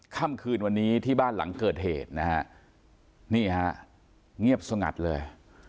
ค่ำคืนวันนี้ที่บ้านหลังเกิดเหตุนะฮะนี่ฮะเงียบสงัดเลย